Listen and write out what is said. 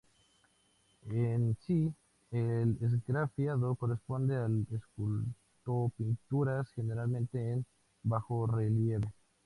En sí, el esgrafiado corresponde a las esculto-pinturas generalmente en bajorrelieve.